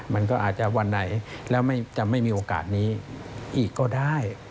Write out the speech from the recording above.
มันก็อาจจะวันไหนแล้วจะไม่มีโอกาสนี้อีกก็ได้